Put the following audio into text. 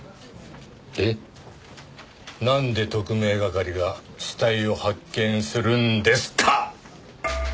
でなんで特命係が死体を発見するんですか？